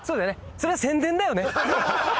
そりゃ宣伝だよね！